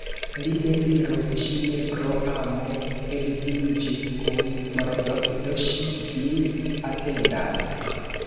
Li ne dirus: "ŝi ne pro amo edziniĝis kun Morozov, do ŝi vin atendas".